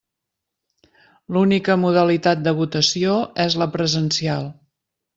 L'única modalitat de votació és la presencial.